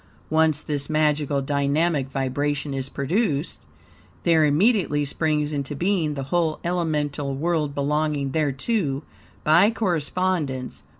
Once this magical, dynamic, vibration is produced, there immediately springs into being the whole elemental world belonging thereto, by correspondence.